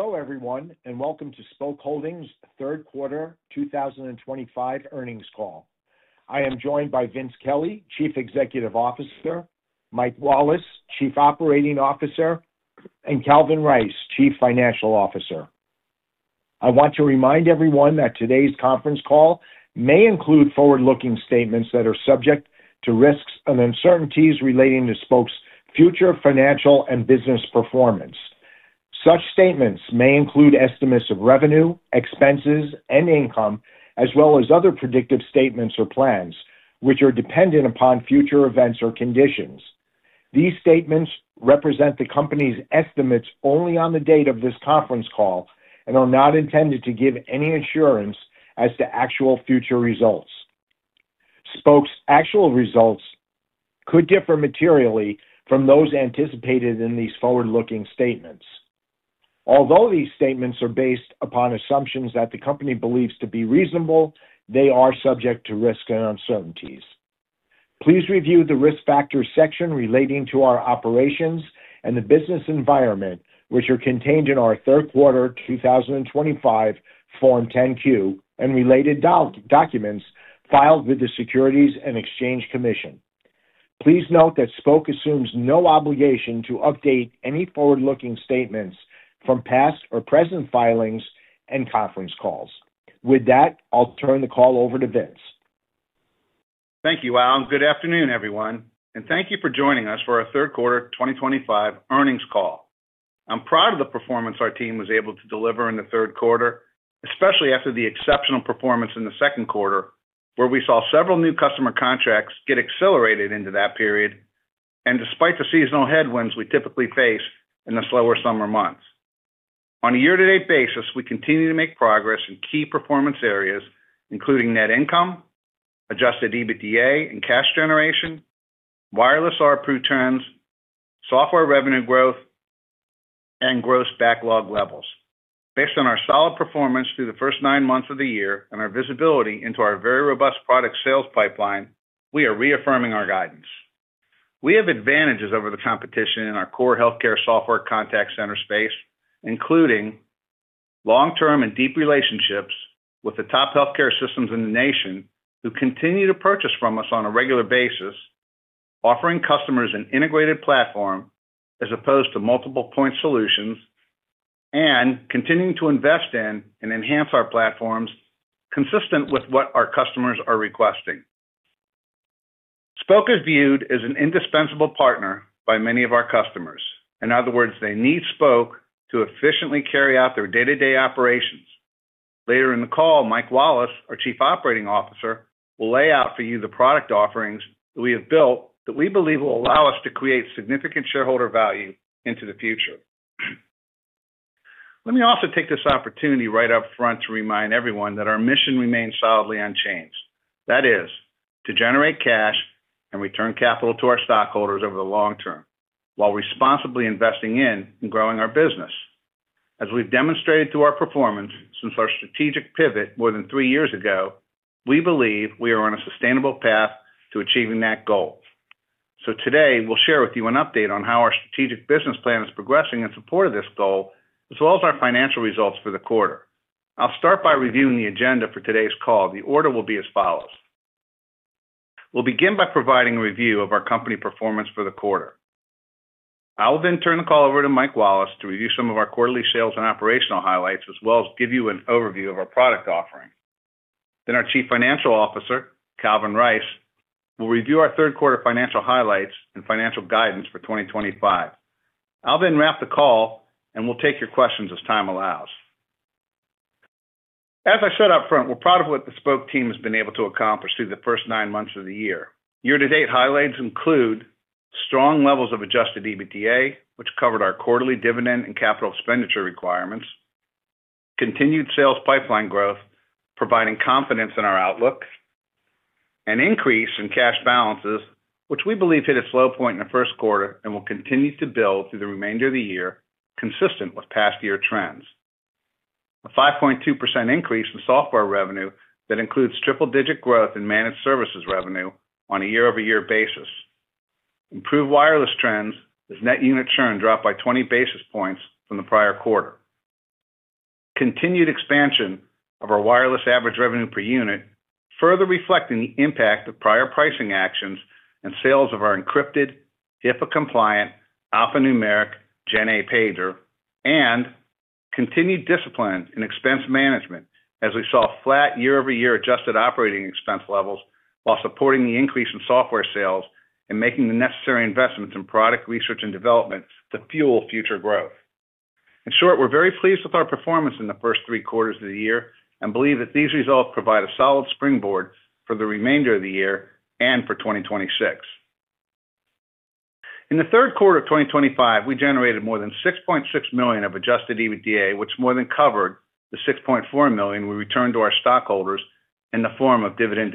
Hello everyone, and welcome to Spok Holdings' Third Quarter 2025 Earnings Call. I am joined by Vince Kelly, Chief Executive Officer, Mike Wallace, Chief Operating Officer, and Calvin Rice, Chief Financial Officer. I want to remind everyone that today's conference call may include forward-looking statements that are subject to risks and uncertainties relating to Spok's future financial and business performance. Such statements may include estimates of revenue, expenses, and income, as well as other predictive statements or plans, which are dependent upon future events or conditions. These statements represent the company's estimates only on the date of this conference call and are not intended to give any assurance as to actual future results. Spok's actual results could differ materially from those anticipated in these forward-looking statements. Although these statements are based upon assumptions that the company believes to be reasonable, they are subject to risk and uncertainties. Please review the risk factors section relating to our operations and the business environment, which are contained in our third quarter 2025 Form 10-Q and related documents filed with the Securities and Exchange Commission. Please note that Spok assumes no obligation to update any forward-looking statements from past or present filings and conference calls. With that, I'll turn the call over to Vince. Thank you, Al. Good afternoon, everyone, and thank you for joining us for our third quarter 2025 earnings call. I'm proud of the performance our team was able to deliver in the third quarter, especially after the exceptional performance in the second quarter, where we saw several new customer contracts get accelerated into that period. Despite the seasonal headwinds we typically face in the slower summer months, on a year-to-date basis, we continue to make progress in key performance areas, including net income, Adjusted EBITDA, and cash generation, wireless average revenue per unit, software revenue growth, and gross backlog levels. Based on our solid performance through the first 9 months of the year and our visibility into our very robust product sales pipeline, we are reaffirming our guidance. We have advantages over the competition in our core healthcare software contact center space, including long-term and deep relationships with the top healthcare systems in the nation, who continue to purchase from us on a regular basis, offering customers an integrated platform as opposed to multiple point solutions, and continuing to invest in and enhance our platforms consistent with what our customers are requesting. Spok is viewed as an indispensable partner by many of our customers. In other words, they need Spok to efficiently carry out their day-to-day operations. Later in the call, Mike Wallace, our Chief Operating Officer, will lay out for you the product offerings that we have built that we believe will allow us to create significant shareholder value into the future. Let me also take this opportunity right up front to remind everyone that our mission remains solidly unchanged. That is, to generate cash and return capital to our stockholders over the long term, while responsibly investing in and growing our business. As we've demonstrated through our performance since our strategic pivot more than 3 years ago, we believe we are on a sustainable path to achieving that goal. Today, we'll share with you an update on how our strategic business plan is progressing in support of this goal, as well as our financial results for the quarter. I'll start by reviewing the agenda for today's call. The order will be as follows. We'll begin by providing a review of our company performance for the quarter. I will then turn the call over to Mike Wallace to review some of our quarterly sales and operational highlights, as well as give you an overview of our product offerings. Then our Chief Financial Officer, Calvin Rice, will review our third quarter financial highlights and financial guidance for 2025. I'll then wrap the call, and we'll take your questions as time allows. As I said up front, we're proud of what the Spok team has been able to accomplish through the first 9 months of the year. Year-to-date highlights include strong levels of Adjusted EBITDA, which covered our quarterly dividend and capital expenditure requirements, continued sales pipeline growth, providing confidence in our outlook, and an increase in cash balances, which we believe hit its low point in the first quarter and will continue to build through the remainder of the year, consistent with past year trends. A 5.2% increase in software revenue that includes triple-digit growth in managed services revenue on a year-over-year basis. Improved wireless trends, as net unit churn dropped by 20 basis points from the prior quarter. Continued expansion of our wireless average revenue per unit, further reflecting the impact of prior pricing actions and sales of our encrypted, HIPAA-compliant alphanumeric GenA pager, and continued discipline in expense management as we saw flat year-over-year adjusted operating expense levels while supporting the increase in software sales and making the necessary investments in product research and development to fuel future growth. In short, we're very pleased with our performance in the first three quarters of the year and believe that these results provide a solid springboard for the remainder of the year and for 2026. In the third quarter of 2025, we generated more than $6.6 million of Adjusted EBITDA, which more than covered the $6.4 million we returned to our stockholders in the form of dividend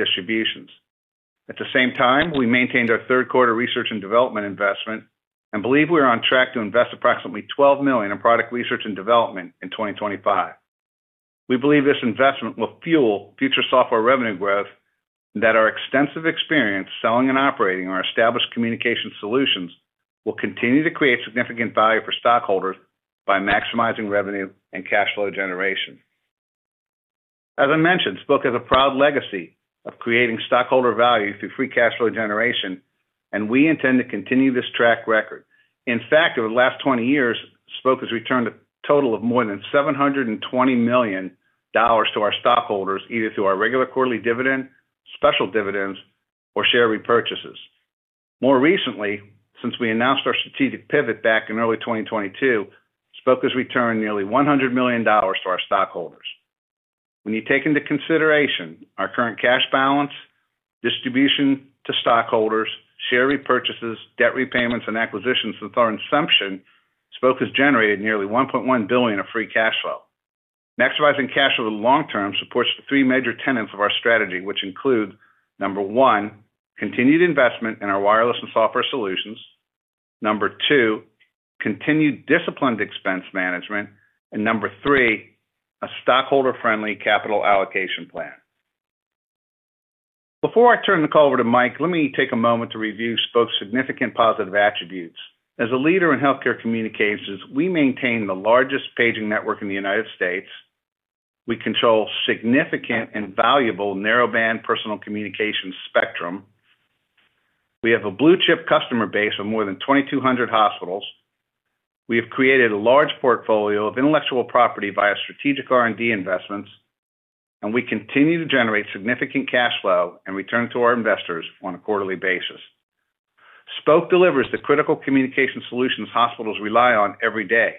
distributions. At the same time, we maintained our third quarter research and development investment and believe we are on track to invest approximately $12 million in product research and development in 2025. We believe this investment will fuel future software revenue growth and that our extensive experience selling and operating our established communication solutions will continue to create significant value for stockholders by maximizing revenue and cash flow generation. As I mentioned, Spok has a proud legacy of creating stockholder value through free cash flow generation, and we intend to continue this track record. In fact, over the last 20 years, Spok has returned a total of more than $720 million to our stockholders, either through our regular quarterly dividend, special dividends, or share repurchases. More recently, since we announced our strategic pivot back in early 2022, Spok has returned nearly $100 million to our stockholders. When you take into consideration our current cash balance, distribution to stockholders, share repurchases, debt repayments, and acquisitions, it's our assumption Spok has generated nearly $1.1 billion of free cash flow. Maximizing cash flow in the long term supports the three major tenets of our strategy, which include, number one, continued investment in our wireless and software solutions, number two, continued disciplined expense management, and number three, a stockholder-friendly capital allocation plan. Before I turn the call over to Mike, let me take a moment to review Spok's significant positive attributes. As a leader in healthcare communications, we maintain the largest paging network in the United States. We control significant and valuable narrowband personal communication spectrum. We have a blue-chip customer base of more than 2,200 hospitals. We have created a large portfolio of intellectual property via strategic R&D investments, and we continue to generate significant cash flow and return to our investors on a quarterly basis. Spok delivers the critical communication solutions hospitals rely on every day.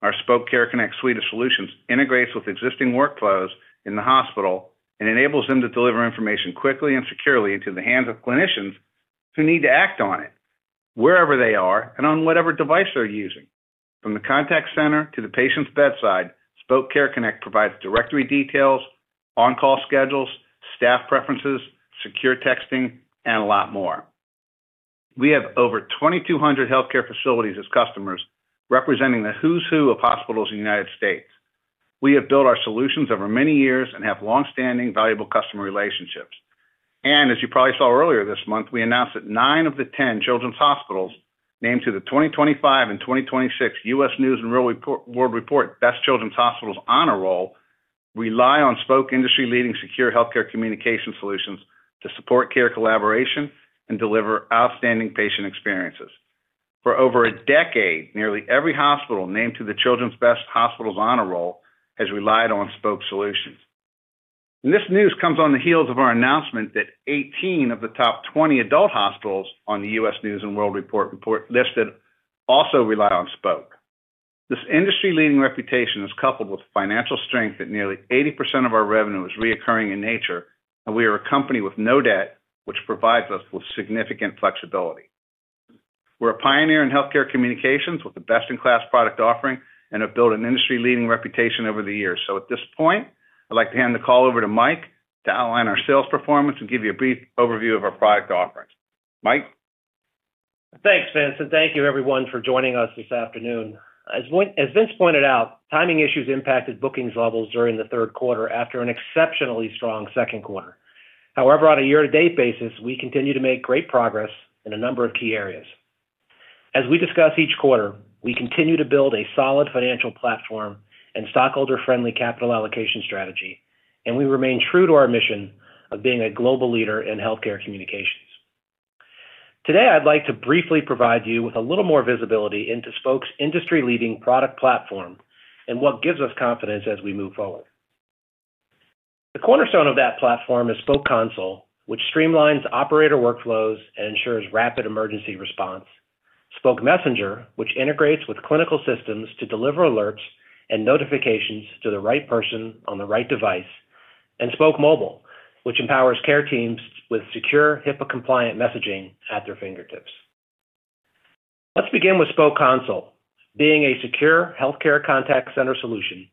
Our Spok Care Connect suite of solutions integrates with existing workflows in the hospital and enables them to deliver information quickly and securely into the hands of clinicians who need to act on it, wherever they are and on whatever device they're using. From the contact center to the patient's bedside, Spok Care Connect provides directory details, on-call schedules, staff preferences, secure texting, and a lot more. We have over 2,200 healthcare facilities as customers, representing the who's who of hospitals in the United States. We have built our solutions over many years and have longstanding valuable customer relationships. As you probably saw earlier this month, we announced that nine of the 10 children's hospitals named to the 2025 and 2026 U.S. News & World Report Best Children's Hospitals Honor Roll rely on Spok's industry-leading secure healthcare communication solutions to support care collaboration and deliver outstanding patient experiences. For over a decade, nearly every hospital named to the Children's Best Hospitals Honor Roll has relied on Spok solutions. This news comes on the heels of our announcement that 18 of the top 20 adult hospitals on the U.S. News & World Report list also rely on Spok. This industry-leading reputation is coupled with financial strength, with nearly 80% of our revenue recurring in nature, and we are a company with no debt, which provides us with significant flexibility. We are a pioneer in healthcare communications with a best-in-class product offering and have built an industry-leading reputation over the years. At this point, I'd like to hand the call over to Mike to outline our sales performance and give you a brief overview of our product offerings. Mike? Thanks, Vince. Thank you, everyone, for joining us this afternoon. As Vince pointed out, timing issues impacted bookings levels during the third quarter after an exceptionally strong second quarter. However, on a year-to-date basis, we continue to make great progress in a number of key areas. As we discuss each quarter, we continue to build a solid financial platform and stockholder-friendly capital allocation strategy, and we remain true to our mission of being a global leader in healthcare communications. Today, I'd like to briefly provide you with a little more visibility into Spok's industry-leading product platform and what gives us confidence as we move forward. The cornerstone of that platform is Spok Console, which streamlines operator workflows and ensures rapid emergency response, Spok Messenger, which integrates with clinical systems to deliver alerts and notifications to the right person on the right device, and Spok Mobile, which empowers care teams with secure HIPAA-compliant messaging at their fingertips. Let's begin with Spok Console, being a secure healthcare contact center solution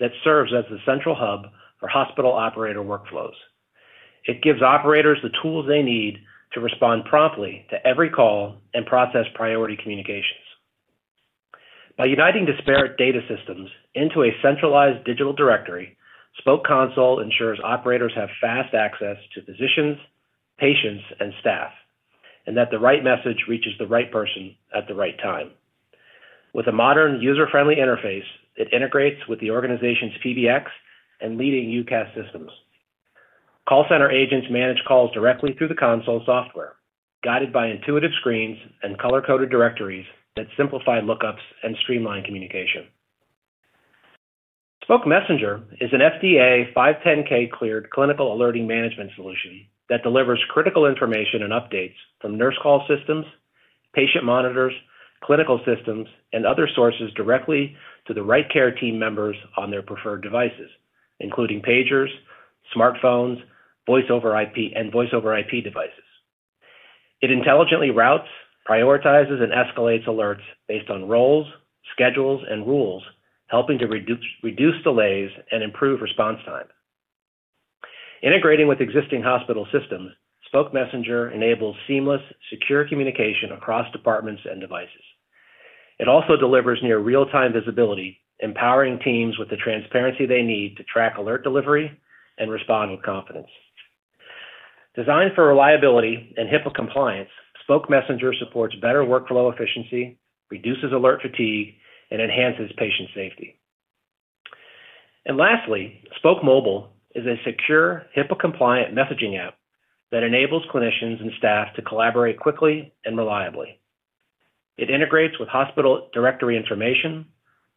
that serves as the central hub for hospital operator workflows. It gives operators the tools they need to respond promptly to every call and process priority communications. By uniting disparate data systems into a centralized digital directory, Spok Console ensures operators have fast access to physicians, patients, and staff, and that the right message reaches the right person at the right time. With a modern user-friendly interface, it integrates with the organization's PBX and leading UCaaS systems. Call center agents manage calls directly through the Console software, guided by intuitive screens and color-coded directories that simplify lookups and streamline communication. Spok Messenger is an FDA 510(k) cleared clinical alerting management solution that delivers critical information and updates from nurse call systems, patient monitors, clinical systems, and other sources directly to the right care team members on their preferred devices, including pagers, smartphones, voice over IP, and voice over IP devices. It intelligently routes, prioritizes, and escalates alerts based on roles, schedules, and rules, helping to reduce delays and improve response time. Integrating with existing hospital systems, Spok Messenger enables seamless, secure communication across departments and devices. It also delivers near real-time visibility, empowering teams with the transparency they need to track alert delivery and respond with confidence. Designed for reliability and HIPAA compliance, Spok Messenger supports better workflow efficiency, reduces alert fatigue, and enhances patient safety. Lastly, Spok Mobile is a secure HIPAA-compliant messaging app that enables clinicians and staff to collaborate quickly and reliably. It integrates with hospital directory information,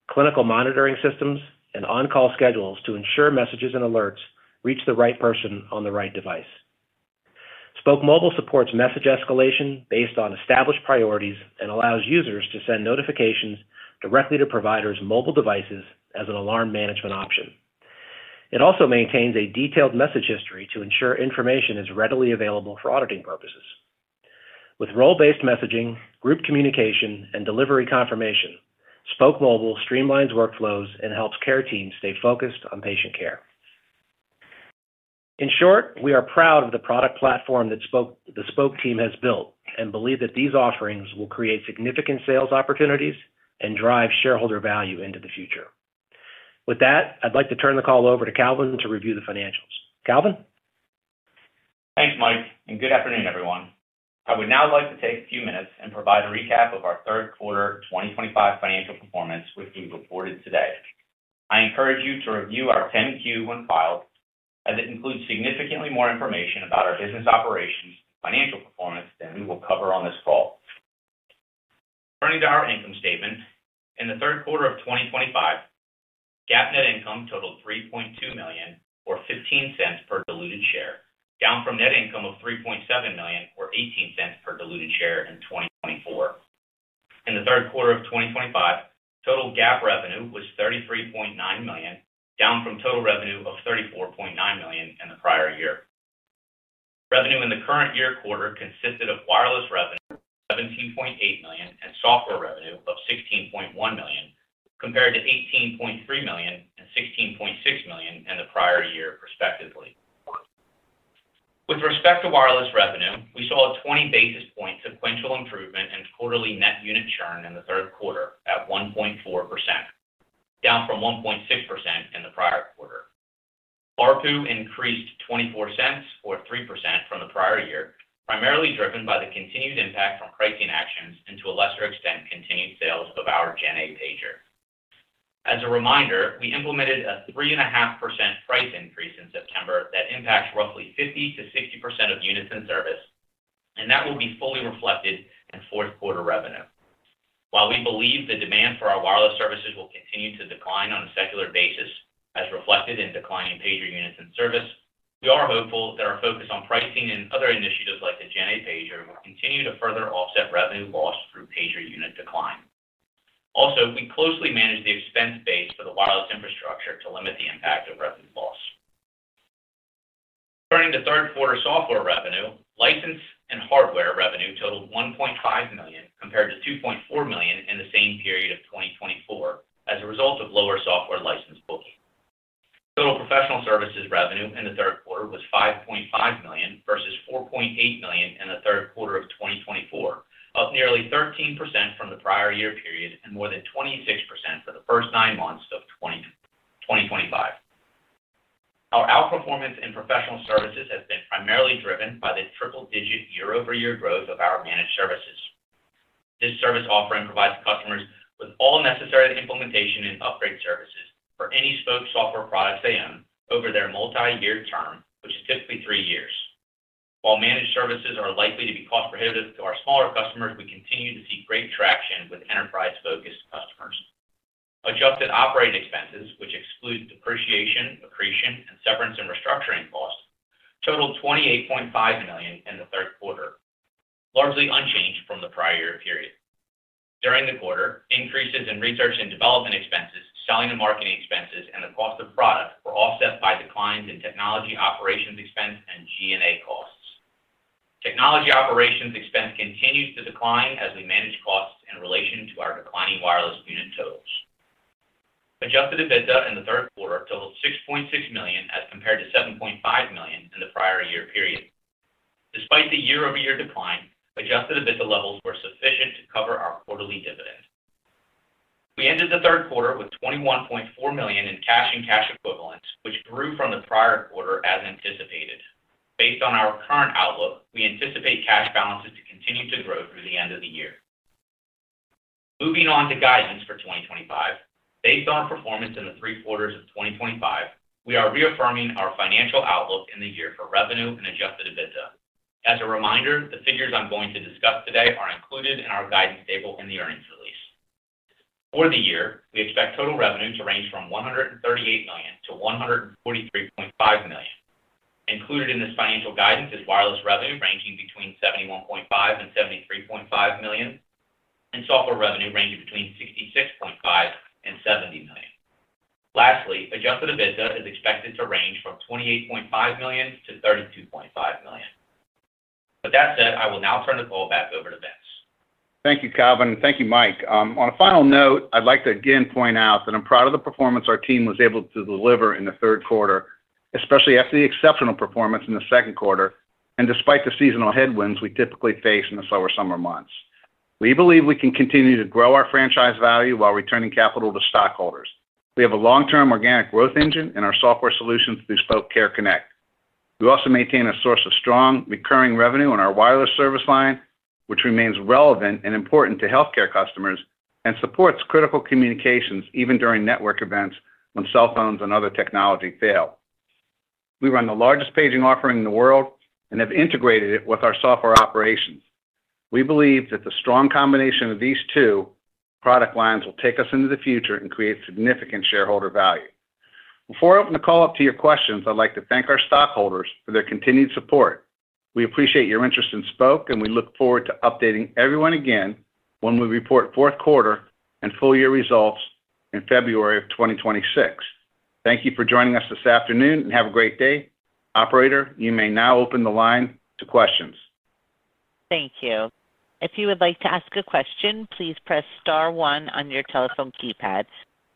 clinical monitoring systems, and on-call schedules to ensure messages and alerts reach the right person on the right device. Spok Mobile supports message escalation based on established priorities and allows users to send notifications directly to providers' mobile devices as an alarm management option. It also maintains a detailed message history to ensure information is readily available for auditing purposes. With role-based messaging, group communication, and delivery confirmation, Spok Mobile streamlines workflows and helps care teams stay focused on patient care. In short, we are proud of the product platform that the Spok team has built and believe that these offerings will create significant sales opportunities and drive shareholder value into the future. With that, I'd like to turn the call over to Calvin to review the financials. Calvin? Thanks, Mike, and good afternoon, everyone. I would now like to take a few minutes and provide a recap of our third quarter 2025 financial performance, which we reported today. I encourage you to review our 10-Q when filed, as it includes significantly more information about our business operations and financial performance than we will cover on this call. Turning to our income statement, in the third quarter of 2025, GAAP net income totaled $3.2 million or $0.15 per diluted share, down from net income of $3.7 million or $0.18 per diluted share in 2024. In the third quarter of 2025, total GAAP revenue was $33.9 million, down from total revenue of $34.9 million in the prior year. Revenue in the current year quarter consisted of wireless revenue of $17.8 million and software revenue of $16.1 million, compared to $18.3 million and $16.6 million in the prior year, respectively. With respect to wireless revenue, we saw a 20 basis point sequential improvement in quarterly net unit churn in the third quarter at 1.4%, down from 1.6% in the prior quarter. RPU increased $0.24 or 3% from the prior year, primarily driven by the continued impact from pricing actions and, to a lesser extent, continued sales of our GenA pager. As a reminder, we implemented a 3.5% price increase in September that impacts roughly 50%-60% of units in service, and that will be fully reflected in fourth quarter revenue. While we believe the demand for our wireless services will continue to decline on a secular basis, as reflected in declining pager units in service, we are hopeful that our focus on pricing and other initiatives like the GenA pager will continue to further offset revenue loss through pager unit decline. Also, we closely manage the expense base for the wireless infrastructure to limit the impact of revenue loss. Turning to third quarter software revenue. License and hardware revenue totaled $1.5 million, compared to $2.4 million Technology operations expense continues to decline as we manage costs in relation to our declining wireless unit totals. Adjusted EBITDA in the third quarter totaled $6.6 million as compared to $7.5 million in the prior year period. Despite the year-over-year decline, Adjusted EBITDA levels were sufficient to cover our quarterly dividend. We ended the third quarter with $21.4 million in cash and cash equivalents, which grew from the prior quarter as anticipated. Based on our current outlook, we anticipate cash balances to continue to grow through the end of the year. Moving on to guidance for 2025, based on our performance in the three quarters of 2025, we are reaffirming our financial outlook in the year for revenue and Adjusted EBITDA. As a reminder, the figures I'm going to discuss today are included in our guidance table in the earnings release. For the year, we expect total revenue to range from $138 million-$143.5 million. Included in this financial guidance is wireless revenue ranging between $71.5 million and $73.5 million, and software revenue ranging between $66.5 million and $70 million. Lastly, Adjusted EBITDA is expected to range from $28.5 million-$32.5 million. With that said, I will now turn the call back over to Vince. Thank you, Calvin, and thank you, Mike. On a final note, I'd like to again point out that I'm proud of the performance our team was able to deliver in the third quarter, especially after the exceptional performance in the second quarter, and despite the seasonal headwinds we typically face in the slower summer months. We believe we can continue to grow our franchise value while returning capital to stockholders. We have a long-term organic growth engine in our software solutions through Spok Care Connect. We also maintain a source of strong recurring revenue on our wireless service line, which remains relevant and important to healthcare customers and supports critical communications even during network events when cell phones and other technology fail. We run the largest paging offering in the world and have integrated it with our software operations. We believe that the strong combination of these two product lines will take us into the future and create significant shareholder value. Before I open the call up to your questions, I'd like to thank our stockholders for their continued support. We appreciate your interest in Spok, and we look forward to updating everyone again when we report fourth quarter and full-year results in February of 2026. Thank you for joining us this afternoon and have a great day. Operator, you may now open the line to questions. Thank you. If you would like to ask a question, please press star one on your telephone keypad.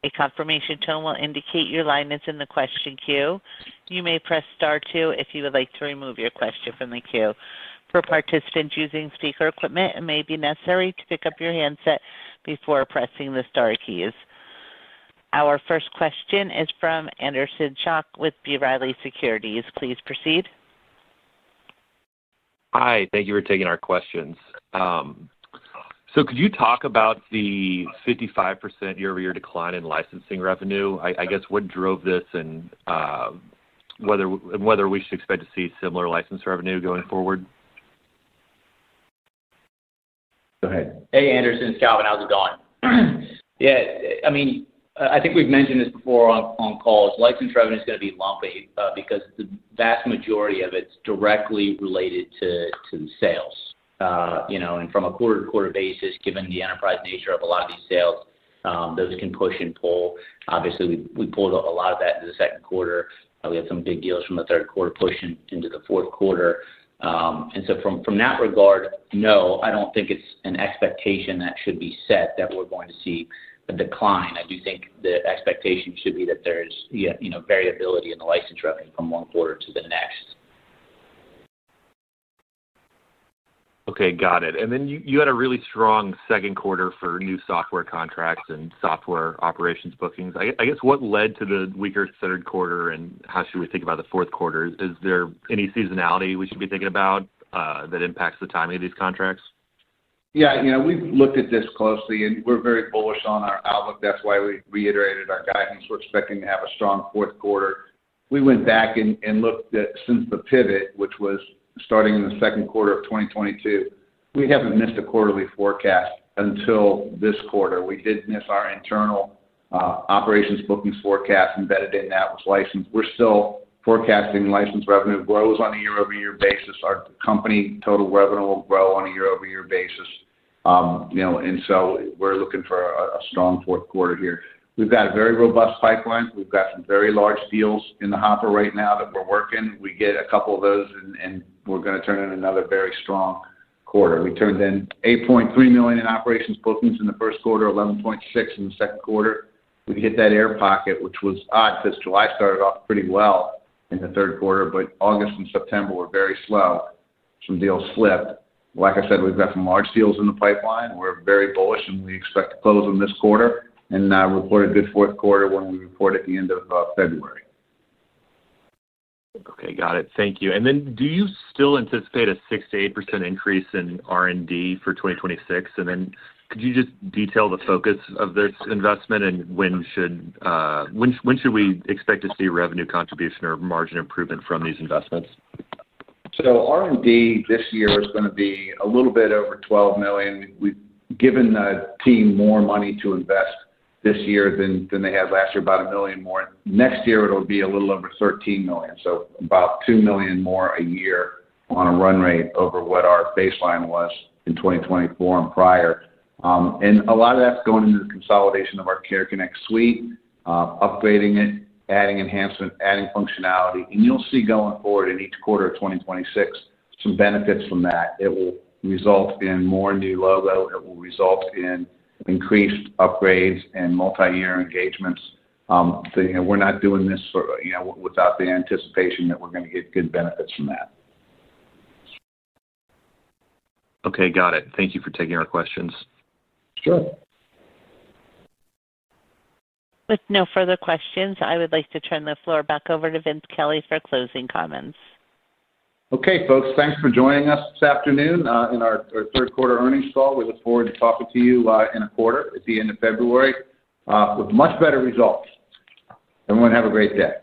A confirmation tone will indicate your line is in the question queue. You may press star two if you would like to remove your question from the queue. For participants using speaker equipment, it may be necessary to pick up your handset before pressing the star keys. Our first question is from Anderson Schock with B. Riley Securities. Please proceed. Hi. Thank you for taking our questions. Could you talk about the 55% year-over-year decline in license revenue? I guess what drove this, and whether we should expect to see similar license revenue going forward? Go ahead. Hey, Anderson. It's Calvin. How's it going? Yeah. I mean, I think we've mentioned this before on calls. License revenue is going to be lumpy, because the vast majority of it is directly related to the sales. You know, and from a quarter-to-quarter basis, given the enterprise nature of a lot of these sales, those can push and pull. Obviously, we pulled a lot of that into the second quarter. We had some big deals from the third quarter pushing into the fourth quarter. From that regard, no, I don't think it's an expectation that should be set that we're going to see a decline. I do think the expectation should be that there is, you know, variability in the license revenue from one quarter to the next. Okay. Got it. You had a really strong second quarter for new software contracts and software operations bookings. I guess what led to the weaker third quarter and how should we think about the fourth quarter? Is there any seasonality we should be thinking about that impacts the timing of these contracts? Yeah. You know, we've looked at this closely, and we're very bullish on our outlook. That's why we reiterated our guidance. We're expecting to have a strong fourth quarter. We went back and looked at since the pivot, which was starting in the second quarter of 2022, we haven't missed a quarterly forecast until this quarter. We did miss our internal operations bookings forecast embedded in that with license. We're still forecasting license revenue grows on a year-over-year basis. Our company total revenue will grow on a year-over-year basis. You know, and so we're looking for a strong fourth quarter here. We've got a very robust pipeline. We've got some very large deals in the hopper right now that we're working. We get a couple of those, and we're going to turn in another very strong quarter. We turned in $8.3 million in operations bookings in the first quarter, $11.6 million in the second quarter. We hit that air pocket, which was odd because July started off pretty well in the third quarter, but August and September were very slow. Some deals slipped. Like I said, we've got some large deals in the pipeline. We're very bullish, and we expect to close in this quarter and report a good fourth quarter when we report at the end of February. Okay. Got it. Thank you. Do you still anticipate a 6%-8% increase in R&D for 2026? Could you just detail the focus of this investment and when should we expect to see revenue contribution or margin improvement from these investments? R&D this year is going to be a little bit over $12 million. We've given the team more money to invest this year than they had last year, about $1 million more. Next year, it'll be a little over $13 million, so about $2 million more a year on a run rate over what our baseline was in 2024 and prior. A lot of that's going into the consolidation of our Care Connect suite, upgrading it, adding enhancement, adding functionality. You'll see going forward in each quarter of 2026 some benefits from that. It will result in more new logo. It will result in increased upgrades and multi-year engagements. We're not doing this without the anticipation that we're going to get good benefits from that. Okay. Got it. Thank you for taking our questions. Sure. With no further questions, I would like to turn the floor back over to Vince Kelly for closing comments. Okay, folks, thanks for joining us this afternoon in our third quarter earnings call. We look forward to talking to you in a quarter at the end of February with much better results. Everyone, have a great day.